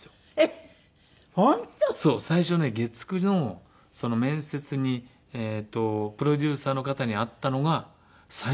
最初ね月９の面接にプロデューサーの方に会ったのが最初で。